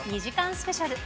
スペシャル。